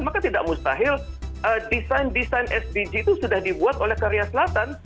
maka tidak mustahil desain desain sdg itu sudah dibuat oleh korea selatan